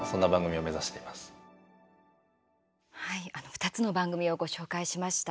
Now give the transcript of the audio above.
２つの番組をご紹介しました。